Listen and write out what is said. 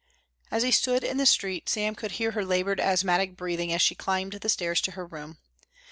As he stood in the street Sam could hear her laboured asthmatic breathing as she climbed the stairs to her room.